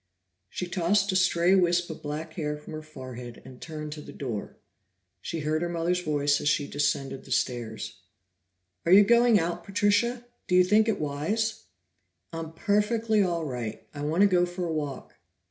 She tossed a stray wisp of black hair from her forehead and turned to the door. She heard her mother's voice as she descended the stairs. "Are you going out, Patricia? Do you think it wise?" "I am perfectly all right. I want to go for a walk."